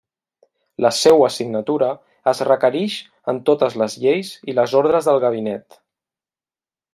La seua signatura es requerix en totes les lleis i les ordres del gabinet.